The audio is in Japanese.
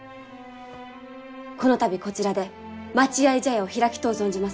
この度こちらで待合茶屋を開きとう存じます。